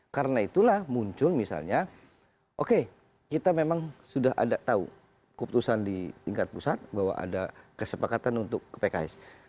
karena itulah muncul misalnya oke kita memang sudah ada tahu keputusan di tingkat pusat bahwa ada kesepakatan untuk pks